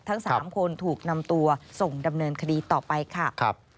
ทั้ง๓คนถูกนำตัวส่งดำเนินคดีต่อไปค่ะ